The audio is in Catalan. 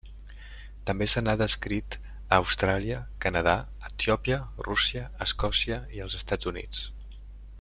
També se n'ha descrit a Austràlia, Canadà, Etiòpia, Rússia, Escòcia i els Estats Units.